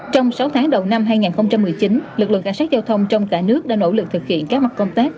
trong sáu tháng đầu năm hai nghìn một mươi chín lực lượng cảnh sát giao thông trong cả nước đã nỗ lực thực hiện các mặt công tác